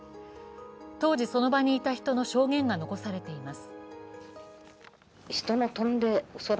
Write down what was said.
当時、その場にいた人の証言が残されています。